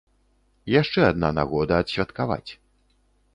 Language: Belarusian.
Яшчэ адна нагода адсвяткаваць.